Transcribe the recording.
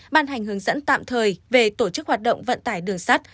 ban hành hướng dẫn tạm thời về tổ chức hoạt động vận tải đường sắt